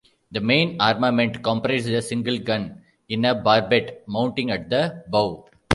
The main armament comprised a single gun in a barbette mounting at the bow.